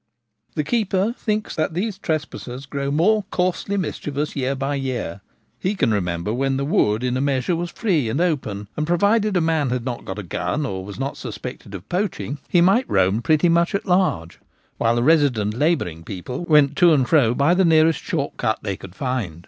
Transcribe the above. The keeper thinks that these trespassers grow more coarsely mischievous year by year. He can re collect when the wood in a measure was free and open, and, provided a man had not got a gun or was not suspected of poaching, he might roam pretty much at large ; while the resident labouring people went to and fro by the nearest short cut they could find.